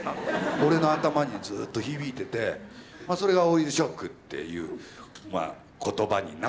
俺の頭にずっと響いててまあそれが「老いるショック」っていう言葉になったんだけど。